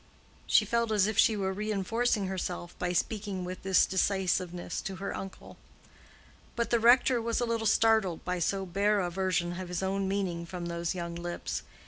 She felt as if she were reinforcing herself by speaking with this decisiveness to her uncle. But the rector was a little startled by so bare a version of his own meaning from those young lips.